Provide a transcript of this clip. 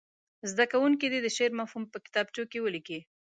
زده کوونکي دې د شعر مفهوم په کتابچو کې ولیکي.